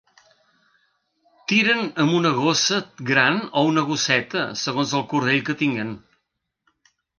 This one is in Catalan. Tiren amb una gossa gran o una gosseta, segons el cordell que tinguen.